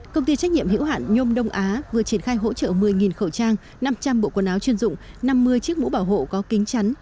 công ty trách nhiệm hữu hạn nhôm đông á vừa triển khai hỗ trợ một mươi khẩu trang năm trăm linh bộ quần áo chuyên dụng năm mươi chiếc mũ bảo hộ có kính chắn